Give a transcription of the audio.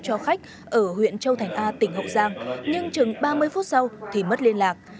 cho khách ở huyện châu thành a tỉnh hậu giang nhưng chừng ba mươi phút sau thì mất liên lạc